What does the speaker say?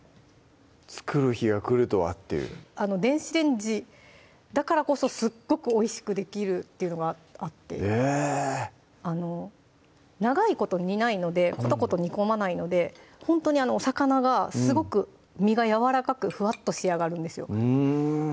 作る日が来るとはっていう電子レンジだからこそすっごくおいしくできるっていうのがあって長いこと煮ないのでコトコト煮込まないのでほんとにお魚がすごく身がやわらかくふわっと仕上がるんですよ